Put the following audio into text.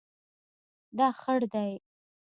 دا خړ دی